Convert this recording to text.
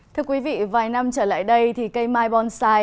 thưa quý vị vài năm trở lại đây thì cây mai bonsai